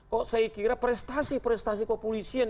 kok saya kira prestasi prestasi kepolisian